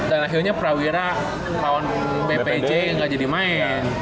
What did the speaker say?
dan akhirnya prawira lawan bpj nggak jadi main